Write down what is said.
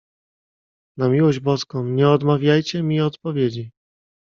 "Na miłość Boską, nie odmawiajcie mi odpowiedzi!"